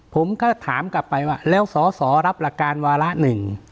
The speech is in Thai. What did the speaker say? ผมก็ถามกลับไปว่าแล้วสอสอรับหลักการวาระหนึ่ง